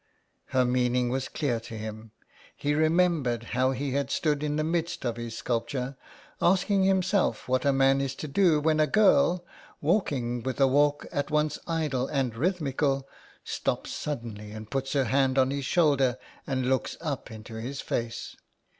Her meaning was clear to him. He remembered how he had stood in the midst of his sculpture asking himself what a man is to do when a girl, walking with a walk at once idle and rhythmical, stops suddenly and puts her hand on his shoulder and looks up in his face.